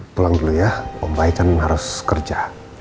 pulang dulu ya ombaikan harus kerja